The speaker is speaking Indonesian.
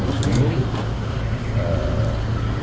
dan juga untuk menjaga kemampuan